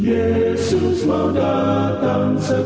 yesus mau datang segera